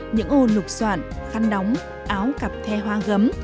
những ô lục soạn khăn đóng áo cặp the hoa gấm